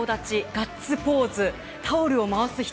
ガッツポーズ、タオルを回す人。